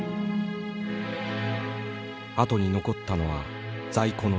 あとに残ったのは在庫の山。